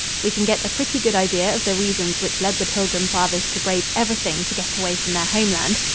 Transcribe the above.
We can get a pretty good idea of the reasons which led the Pilgrim Fathers to brave everything to get away from their home land.